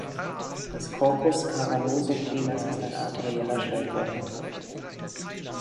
Das Corpus cavernosum penis ist ein arterieller Schwellkörper.